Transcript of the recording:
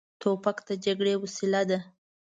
توپک د جګړې وسیله ده.